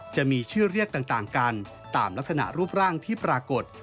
จะมีชื่อเรียกต่างกันตามลักษณะรูปร่างที่ปรากฏ